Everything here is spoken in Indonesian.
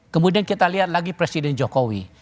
kemudian kita lihat lagi presiden jokowi